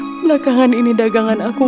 belakangan ini dagangan aku